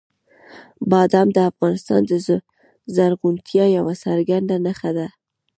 بادام د افغانستان د زرغونتیا یوه څرګنده نښه ده.